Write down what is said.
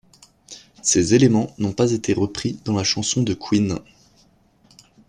Ces éléments n'ont pas été repris dans la chanson de Queen.